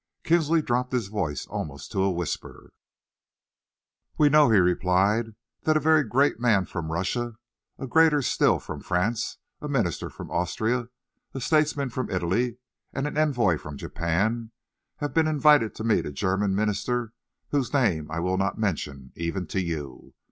Kinsley dropped his voice almost to a whisper. "We know," he replied, "that a very great man from Russia, a greater still from France, a minister from Austria, a statesman from Italy, and an envoy from Japan, have been invited to meet a German minister whose name I will not mention, even to you.